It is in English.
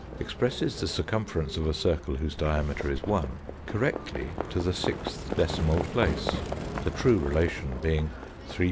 expresses the circumference of a circle whose diameter is 1, correctly to the sixth decimal place, the true relation being 3·14159265.